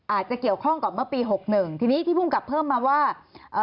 อาจจะเกี่ยวข้องกับเมื่อปีหกหนึ่งทีนี้ที่ภูมิกับเพิ่มมาว่าเอ่อ